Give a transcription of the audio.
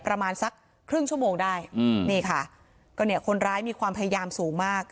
ประมาณสักครึ่งชั่วโมงได้อืมนี่ค่ะก็เนี่ยคนร้ายมีความพยายามสูงมาก